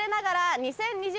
２０２０。